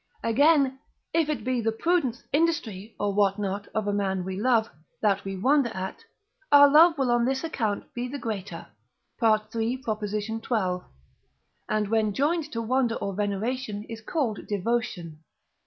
Again, if it be the prudence, industry, or what not, of a man we love, that we wonder at, our love will on this account be the greater (III. xii.), and when joined to wonder or veneration is called Devotion.